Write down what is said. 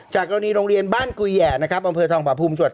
จากตอนนี้โรงเรียนบ้านกุยแห่นะครับบธรรมภาพภูมิสวรรค์